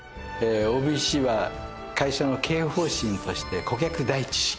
ＯＢＣは会社の経営方針として顧客第一主義